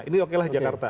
ini okelah jakarta